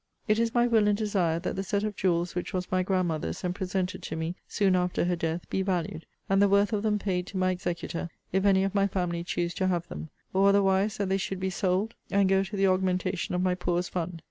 It is my will and desire, that the set of jewels which was my grandmother's, and presented to me, soon after her death, be valued; and the worth of them paid to my executor, if any of my family choose to have them; or otherwise, that they should be sold, and go to the augmentation of my poor's fund.